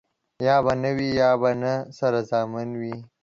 يا به نه وي ،يا به نه سره زامن وي.